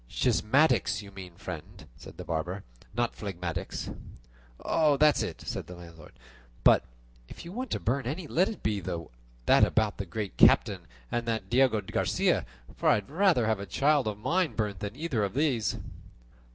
"Schismatics you mean, friend," said the barber, "not phlegmatics." "That's it," said the landlord; "but if you want to burn any, let it be that about the Great Captain and that Diego Garcia; for I would rather have a child of mine burnt than either of the others."